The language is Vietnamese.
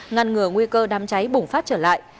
ngăn ngừa nguy cơ đám cháy bùng phát trở lại